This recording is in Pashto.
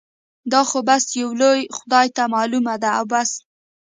دا خو بس يو لوی خدای ته معلوم دي او بس.